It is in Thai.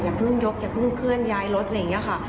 เพิ่งยกอย่าเพิ่งเคลื่อนย้ายรถอะไรอย่างนี้ค่ะ